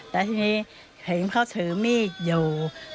แต่ทีนี้เห็นเขาถือมีดอยู่